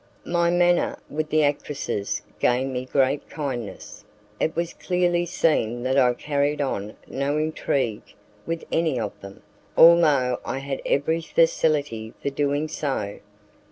My manner with the actresses gained me great kindness; it was clearly seen that I carried on no intrigue with any of them, although I had every facility for doing so.